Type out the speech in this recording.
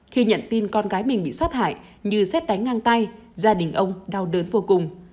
khi nhận tin con gái mình bị sát hại như xét đánh ngang tay gia đình ông đau đớn vô cùng